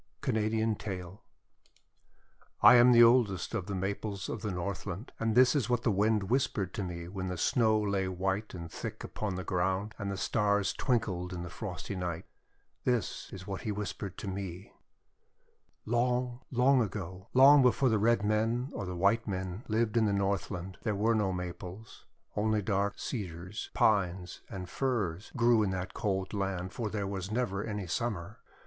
Canadian Tale I AM the oldest of the Maples of the Northland, and this is what the Wind whispered to me when the Snow lay white and thick upon the ground, and the Stars twinkled in the frosty night. This is what he whispered to me: —•••••••• Long, long ago, — long before the Red Men or White Men lived in the Northland — there were no Maples. Only dark Cedars, Pines, and Firs grew in that cold land, for there was never any Summer.